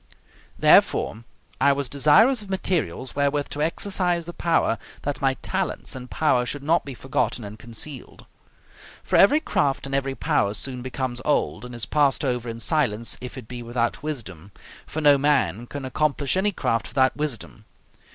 Therefore, I was desirous of materials wherewith to exercise the power, that my talents and power should not be forgotten and concealed. For every craft and every power soon becomes old, and is passed over in silence, if it be without wisdom: for no man can accomplish any craft without wisdom.